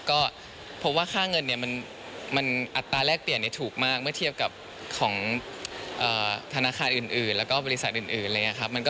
ก็พบว่าค่าเงินมันอัตราแลกเปลี่ยนถูกมากเมื่อเทียบกับของธนาคารอื่นและก็บริษัทอื่นเลยนะครับ